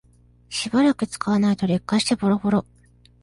しばらく使わないと劣化してボロボロ